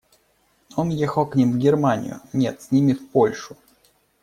Он ехал к ним в Германию, нет, с ними в Польшу.